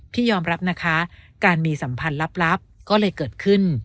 พี่ยอมรับนะคะการมีสัมพันธ์ลับก็เลยเกิดขึ้น